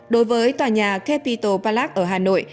đối với tòa nhà capitol palace ở hà nội